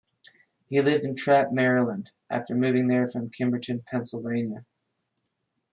He lived in Trappe, Maryland, after moving there from Kimberton, Pennsylvania.